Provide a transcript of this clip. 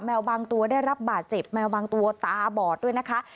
บางตัวได้รับบาดเจ็บแมวบางตัวตาบอดด้วยนะคะ